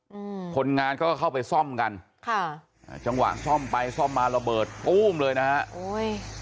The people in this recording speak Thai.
อืมคนงานก็เข้าไปซ่อมกันค่ะอ่าจังหวะซ่อมไปซ่อมมาระเบิดปุ้มเลยนะฮะโอ้ย